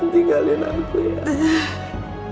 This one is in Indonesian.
tinggalin aku ya